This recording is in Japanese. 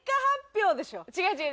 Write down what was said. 違う違う！